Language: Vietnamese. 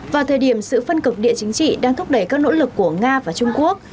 vào thời điểm sự phân cực địa chính trị đang thúc đẩy các nỗ lực của nga và trung quốc